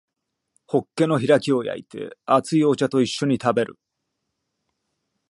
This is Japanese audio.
ホッケの開きを焼いて熱いお茶と一緒に食べる